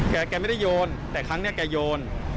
แกไม่ได้โยนแต่ครั้งนี้แกโยน